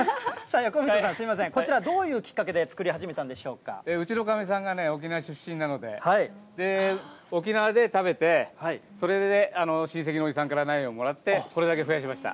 横溝さん、すみません、こちら、どういうきっかけで作り始めたんうちのかみさんがね、沖縄出身なので、で、沖縄で食べて、それでね、親戚のおじさんから苗をもらって、これだけ増やしました。